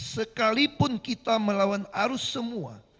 sekalipun kita melawan arus semua